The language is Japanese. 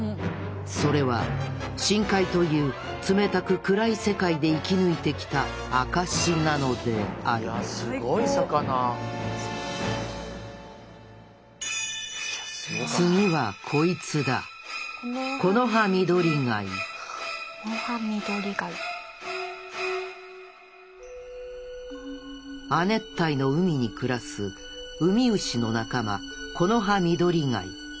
それは深海という冷たく暗い世界で生き抜いてきた証しなのである次はこいつだ亜熱帯の海に暮らすウミウシの仲間